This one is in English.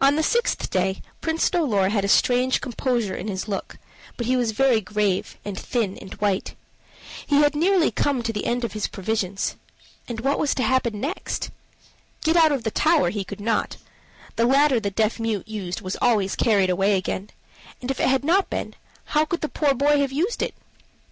On the sixth day Prince Dolor had a strange composure in his look, but he was very grave and thin and white. He had nearly come to the end of his provisions and what was to happen next? Get out of the tower he could not: the ladder the deaf mute used was always carried away again; and if it had not been, how could the poor boy have used it?